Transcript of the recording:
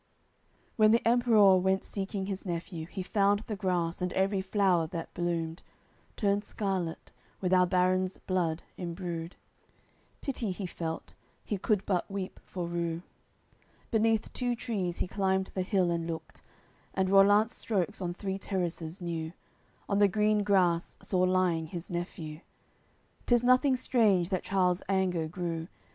CCV When the Emperour went seeking his nephew, He found the grass, and every flower that bloomed, Turned scarlat, with our barons' blood imbrued; Pity he felt, he could but weep for rue. Beneath two trees he climbed the hill and looked, And Rollant's strokes on three terraces knew, On the green grass saw lying his nephew; `Tis nothing strange that Charles anger grew.